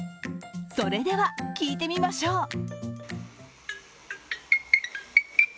それでは、聞いてみましょう。